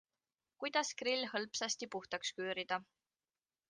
Kuidas grill hõlpsasti puhtaks küürida?